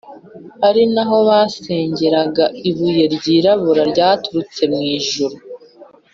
ari na ho basengeraga ibuye ryirabura ryaturutse mu ijuru.